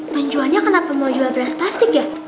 penjualnya kenapa mau jual beras plastik ya